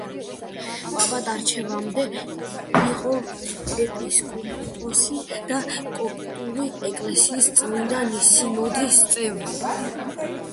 პაპად არჩევამდე იყო ეპისკოპოსი და კოპტური ეკლესიის წმინდა სინოდის წევრი.